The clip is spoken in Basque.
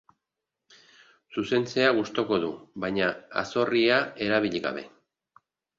Zuzentzea gustuko du, baina azorria erabili gabe.